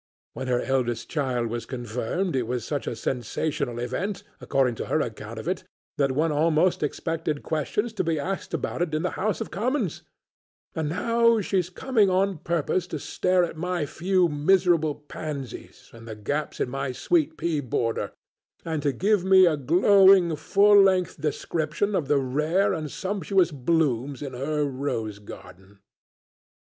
When her eldest child was confirmed it was such a sensational event, according to her account of it, that one almost expected questions to be asked about it in the House of Commons, and now she's coming on purpose to stare at my few miserable pansies and the gaps in my sweet pea border, and to give me a glowing, full length description of the rare and sumptuous blooms in her rose garden."